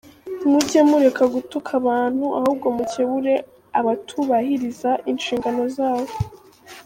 Mujye mureka gutuka abantu! ahubwo mukebure abatubahiriza inshingano zabo.